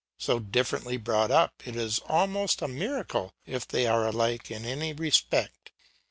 So differently brought up, it is almost a miracle if they are alike in any respect.